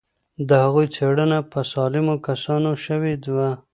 د هغوی څېړنه پر سالمو کسانو شوې وه.